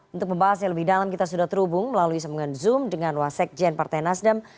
untuk pembahasnya lebih dalam kita sudah terhubung melalui sambungan zoom dengan wasik jen partai nasdem